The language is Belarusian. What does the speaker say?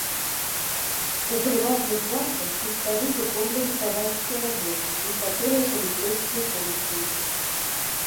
У прыватных замках пушкары выконвалі кавальскія работы, некаторыя паліцэйскія функцыі.